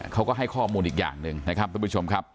เขาก็ให้ข้อมูลอีกอย่างหนึ่งนะครับทุกผู้ชมครับ